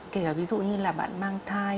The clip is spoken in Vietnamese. kể cả ví dụ như là bạn mang thai